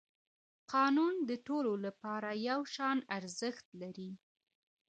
قانون د ټولو لپاره یو شان ارزښت لري